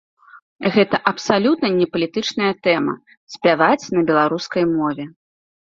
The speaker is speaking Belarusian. Гэта абсалютна не палітычная тэма, спяваць на беларускай мове.